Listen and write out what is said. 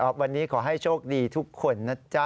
วันนี้ขอให้โชคดีทุกคนนะจ๊ะ